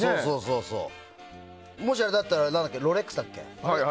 もしあれだったらロレックスだっけ？